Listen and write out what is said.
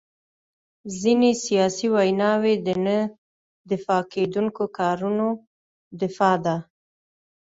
ځینې سیاسي ویناوي د نه دفاع کېدونکو کارونو دفاع ده.